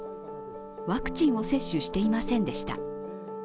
ワクチンを接種していませんでした。